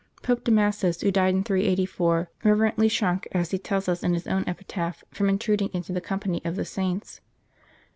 Pope Damasus, who died in 384, reverently shrunk, as he tells us, in his own epitaph, from intruding into the company of the saints.